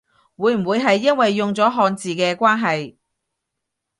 會唔會係因為用咗漢字嘅關係？